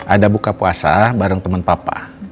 ada buka puasa bareng teman papa